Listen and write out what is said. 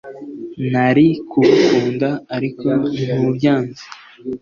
nari kugukunda; ariko, ntubyanze